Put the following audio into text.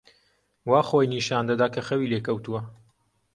وا خۆی نیشان دەدا کە خەوی لێ کەوتووە.